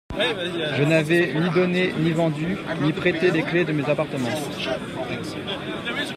Je n'avais ni donné, ni vendu, ni prêté les clefs de mes appartements.